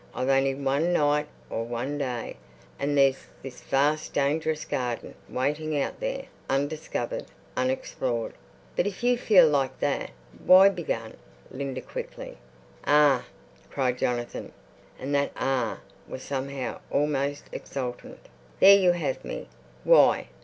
I've only one night or one day, and there's this vast dangerous garden, waiting out there, undiscovered, unexplored." "But, if you feel like that, why—" began Linda quickly. "Ah!" cried Jonathan. And that "ah!" was somehow almost exultant. "There you have me. Why?